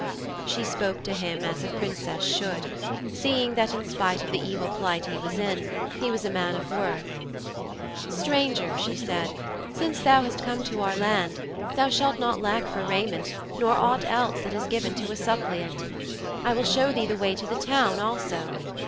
She spoke to him as a Princess should, seeing that in spite of the evil plight he was in, he was a man of worth. 'Stranger,' she said, 'since thou hast come to our land, thou shalt not lack for raiment nor aught else that is given to a suppliant. I will show thee the way to the town also.'